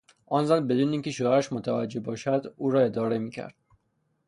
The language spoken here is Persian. آن زن بدون این که شوهرش متوجه باشد او را اداره میکرد.